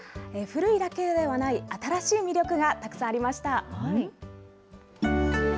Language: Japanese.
古いだけではない新しい魅力がたくさんありました。